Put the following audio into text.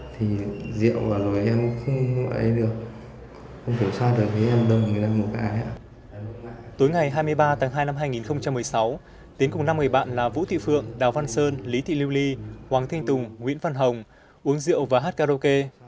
tối ngày hai mươi ba tháng hai năm hai nghìn một mươi sáu tiến cùng năm người bạn là vũ thị phượng đào văn sơn lý thị liêu ly hoàng thanh tùng nguyễn văn hồng uống rượu và hát karaoke